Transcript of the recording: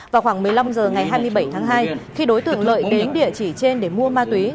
vào khoảng một mươi năm h ngày hai mươi bảy tháng hai khi đối tượng lợi đến địa chỉ trên để mua ma túy